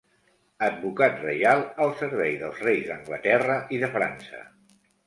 Advocat reial al servei dels reis d'Anglaterra i de França.